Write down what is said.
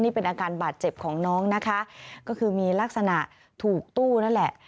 นี่เป็นอาการบาดเจ็บของน้องนะคะก็คือมีลักษณะถูกตู้นั่นแหละ